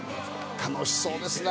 楽しそうですね。